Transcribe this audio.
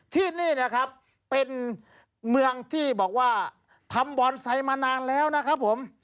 ที่นี่นะครับเป็นเมืองที่บอกว่าทำบอนไซต์มานานแล้วนะครับผม